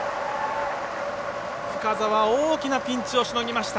深沢、大きなピンチをしのぎました。